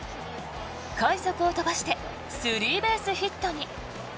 快足を飛ばしてスリーベースヒットに。